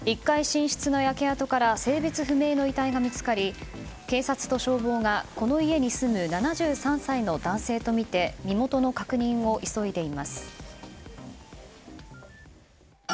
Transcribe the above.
１階寝室の焼け跡から性別不明の遺体が見つかり警察と消防がこの家に住む７３歳の男性とみて身元の確認を急いでいます。